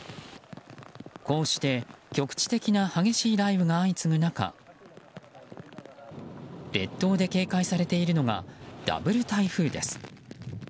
こうして局地的な激しい雷雨が相次ぐ中列島で警戒されているのがダブル台風です。